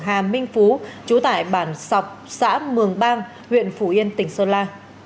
hà minh phú trú tại bản sọc xã mường bang huyện phủ yên tỉnh sơn la